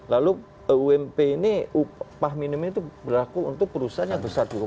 lalu ump ini upah minimnya berlaku untuk perusahaan yang besar juga